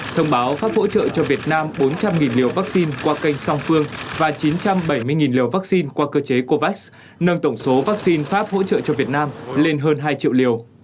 thông báo pháp hỗ trợ cho việt nam bốn trăm linh liều vaccine qua kênh song phương và chín trăm bảy mươi liều vaccine qua cơ chế covax nâng tổng số vaccine pháp hỗ trợ cho việt nam lên hơn hai triệu liều